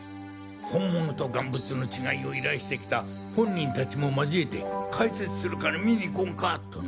本物と贋物の違いを依頼してきた本人たちもまじえて解説するから見に来んか？とな。